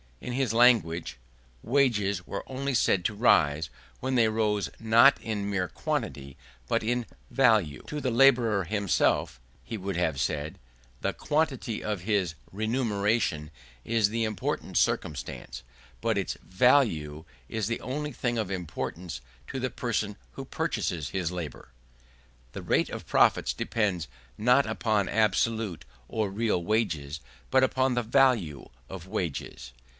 In his language wages were only said to rise, when they rose not in mere quantity but in value. To the labourer himself (he would have said) the quantity of his remuneration is the important circumstance: but its value is the only thing of importance to the person who purchases his labour. The rate of profits depends not upon absolute or real wages, but upon the value of wages.